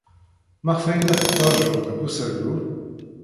Maɣef ay la tettṛajud deg userbub?